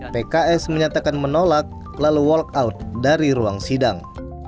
pks menyatakan menolak lalu walk out dari ruang sidang